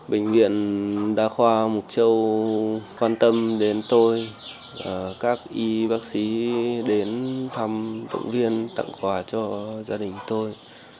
bệnh viện đa khoa mộc châu quan tâm đến tôi các y bác sĩ đến thăm động viên tặng quà cho gia đình tôi